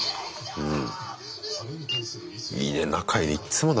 うん。